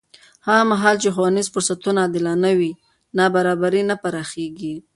هغه مهال چې ښوونیز فرصتونه عادلانه وي، نابرابري نه پراخېږي.